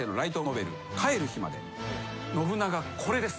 信長これです。